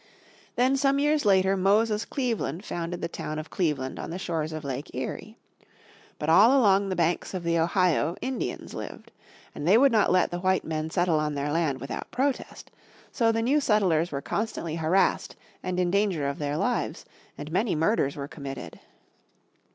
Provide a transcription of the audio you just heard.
Then some years later Moses Cleaveland founded the town of Cleveland on the shores of Lake Erie. But all along the banks of the Ohio Indians lived. And they would not let the white men settle on their land without protest. So the new settlers were constantly harassed and in danger of their lives, and many murders were committed.